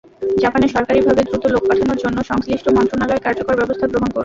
জাপানে সরকারিভাবে দ্রুত লোক পাঠানোর জন্য সংশ্লিষ্ট মন্ত্রণালয় কার্যকর ব্যবস্থা গ্রহণ করুক।